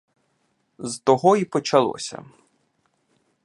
З того й почалося.